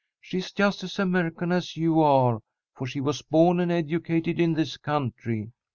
"She's just as American as you are, for she was born and educated in this country.